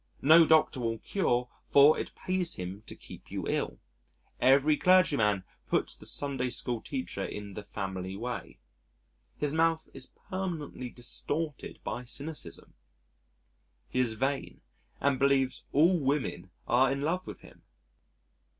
No doctor will cure, for it pays him to keep you ill. Every clergyman puts the Sunday school teacher in the family way. His mouth is permanently distorted by cynicism. He is vain and believes all women are in love with him.